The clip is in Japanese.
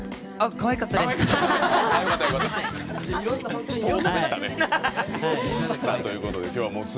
かわいかったです。